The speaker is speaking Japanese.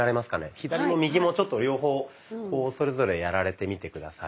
左も右もちょっと両方それぞれやられてみて下さい。